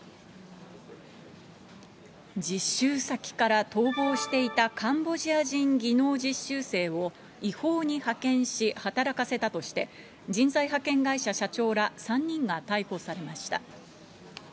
実習先から逃亡していたカンボジア人技能実習生を違法に派遣し、働かせたとして、人材派遣会社社長ら３人が逮捕されました。